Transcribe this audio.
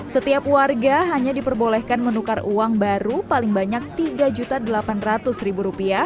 setiap warga hanya diperbolehkan menukar uang baru paling banyak rp tiga delapan ratus